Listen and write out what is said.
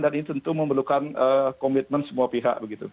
dan ini tentu memerlukan komitmen semua pihak begitu